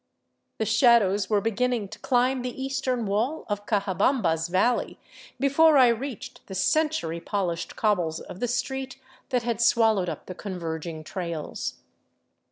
The shadows were beginning to climb the eastern wall of Cajabamba's valley before I reached the century polished cobbles of the street that had swallowed up the converging trails.